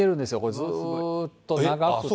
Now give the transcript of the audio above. ずっと長くて。